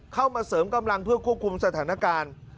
เข้ามาเสริมกำลังเพื่อควบคุมสถานการณ์